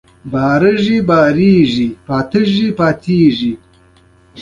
پښتونولي د پښتنو د ژوند لارښود دی.